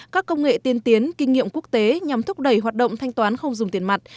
các công nghệ tiên tiến kinh nghiệm quốc tế nhằm thúc đẩy hoạt động thanh toán không dùng tiền mặt